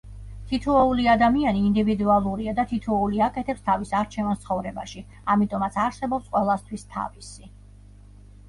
თითოეული ადამიანი ინდივიდუალურია და თითოეული აკეთებს თავის არჩევანს ცხოვრებაში, ამიტომაც არსებობს ყველასთვის თავისი.